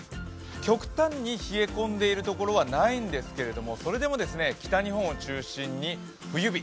極端に冷え込んでいる所はないんですけれども、それでも北日本を中心に冬日。